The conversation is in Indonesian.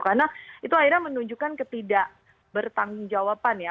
karena itu akhirnya menunjukkan ketidak bertanggung jawaban ya